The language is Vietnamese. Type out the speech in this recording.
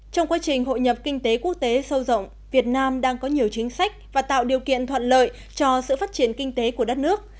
trong quá trình hội nhập kinh tế quốc tế sâu rộng việt nam đang có nhiều chính sách và tạo điều kiện thuận lợi cho sự phát triển kinh tế của đất nước